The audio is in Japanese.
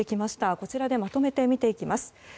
こちらでまとめて見ていきます。